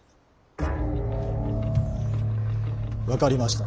分かりました。